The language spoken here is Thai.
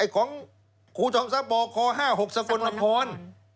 ของครูชมทรัพย์บอค๕๖สกลพร